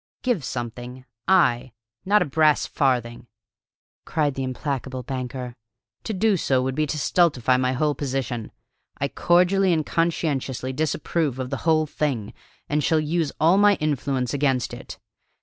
"Give something? I? Not a brass farthing!" cried the implacable banker. "To do so would be to stultify my whole position. I cordially and conscientiously disapprove of the whole thing, and shall use all my influence against it.